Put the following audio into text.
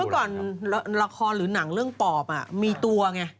ก่อนละครหรือหนังเรื่องปอบมีตัวไง